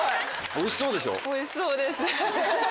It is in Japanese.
おいしそうです。